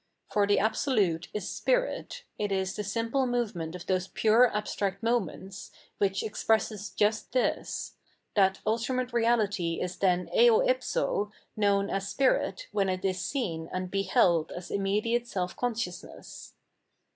For the Absolute is Spirit, it is the simple movement of those pure abstract moments, which expresses just t^ ^that Ultimate Eeality is then eo if so known as Spirit when it is seen and beheld as immediate self consciousness.